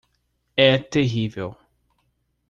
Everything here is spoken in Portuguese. É terrível